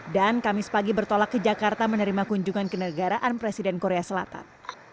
dan kamis pagi bertolak ke jakarta menerima kunjungan ke negaraan presiden korea selatan